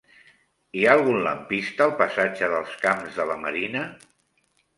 Hi ha algun lampista al passatge dels Camps de la Marina?